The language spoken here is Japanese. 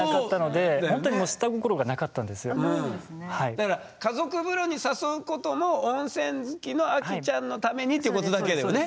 だから家族風呂に誘うことも温泉好きのアキちゃんのためにっていうことだけだよね。